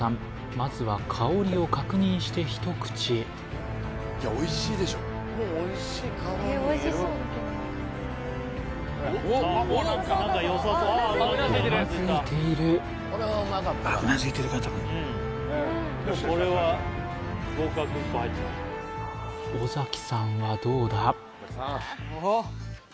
まずは香りを確認して一口うなずいている尾崎さんはどうだ？